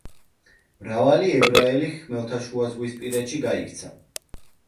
მრავალი ებრაელი ხმელთაშუაზღვისპირეთში გაიქცა.